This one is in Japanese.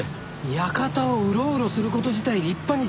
館をうろうろする事自体立派に邪魔ですから。